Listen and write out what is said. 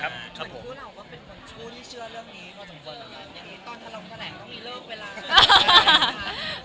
เหมือนคุณเราก็เป็นคนที่เชื่อเรื่องนี้ก็สมบัตินะครับ